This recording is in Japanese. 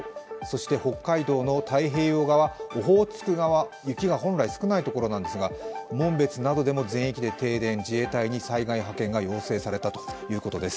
北海道の太平洋側、オホーツク側、雪が本来少ないところなんですが、紋別などでも全域で停電、自衛隊に災害派遣が要請されたということです。